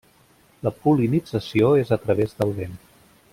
La pol·linització és a través del vent.